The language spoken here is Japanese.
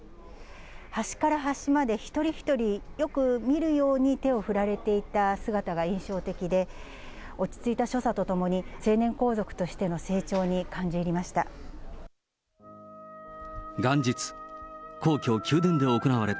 端から端まで一人一人、よく見るように手を振られていた姿が印象的で、落ち着いた所作とともに、成年皇族としての成長に感じ入りました。